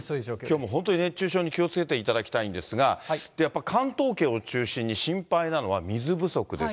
きょうも本当に熱中症に気をつけていただきたいんですが、やっぱ関東圏を中心に心配なのは水不足です。